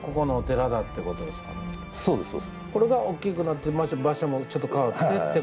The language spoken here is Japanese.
これがおっきくなって場所もちょっと変わって。